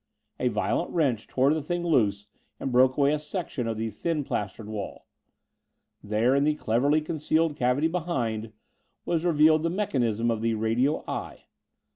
A violent wrench tore the thing loose and broke away a section of the thin plastered wall. There, in the cleverly concealed cavity behind, was revealed the mechanism of the radio "eye."